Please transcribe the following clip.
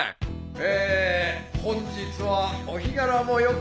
え本日はお日柄もよく